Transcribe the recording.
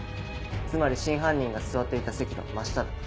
つまり真犯人が座っていた席の真下だ。